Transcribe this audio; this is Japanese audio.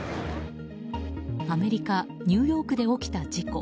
アメリカ・ニューヨークで起きた事故。